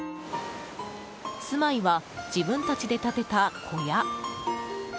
住まいは自分たちで建てた小屋。